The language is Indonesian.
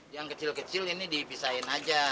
yang kecil kecil ini dipisahin aja